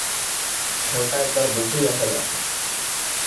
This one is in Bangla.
ঘরটা একবার দেখেই আসা যাক-না।